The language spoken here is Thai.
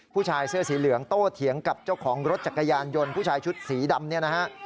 ผู้ชายเสื้อสีเหลืองโตเถียงกับเจ้าของรถจักรยานยนต์ผู้ชายชุดสีดำเนี่ยนะฮะ